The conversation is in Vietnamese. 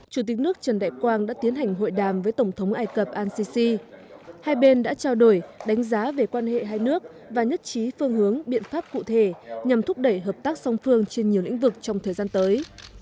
chủ tịch nước trần đại quang đã tiến hành hội đàm với tổng thống ai cập al sisi hai bên đã trao đổi đánh giá về quan hệ hai nước và nhất trí phương hướng biện pháp cụ thể nhằm thúc đẩy hợp tác song phương trên nhiều lĩnh vực trong thời gian tới